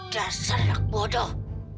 dasar anak bodoh